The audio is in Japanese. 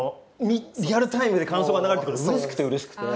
リアルタイムで感想が流れてくるのがうれしくてうれしくて。